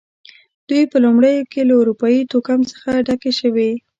دوی په لومړیو کې له اروپايي توکم څخه ډکې شوې.